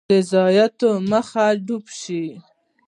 د ضایعاتو مخه ډب شي.